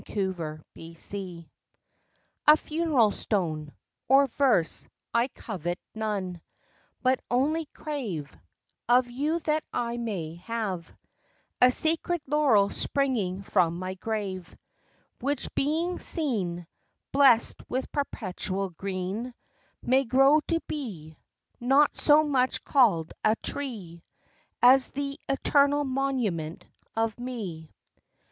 TO LAURELS A funeral stone Or verse, I covet none; But only crave Of you that I may have A sacred laurel springing from my grave: Which being seen Blest with perpetual green, May grow to be Not so much call'd a tree, As the eternal monument of me.